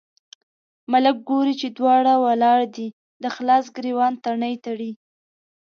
ملک ګوري چې دواړه ولاړ دي، د خلاص ګرېوان تڼۍ تړي.